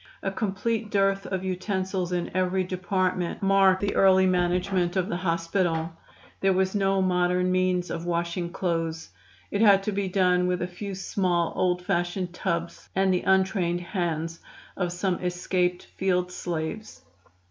A complete dearth of utensils in every department marked the early management of the hospital. There was no modern means of washing clothes, it had to be done with a few small, old fashioned tubs, and the untrained hands of some escaped field slaves.